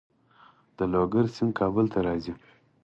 د لوګر سیند کابل ته راځي